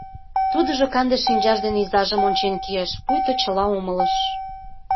Тудыжо канде шинчаж дене изажым ончен кийыш, пуйто чыла умылыш.